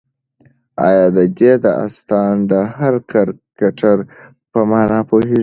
ایا ته د دې داستان د هر کرکټر په مانا پوهېږې؟